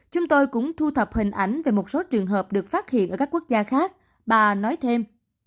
chúng tôi cũng thu thập hình ảnh về một số trường hợp được phát hiện ở các quốc gia khác bà nói thêm